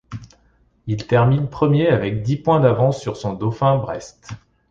Il termine premier avec dix points d'avance sur son dauphin Brest.